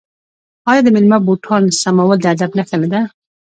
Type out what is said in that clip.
آیا د میلمه بوټان سمول د ادب نښه نه ده؟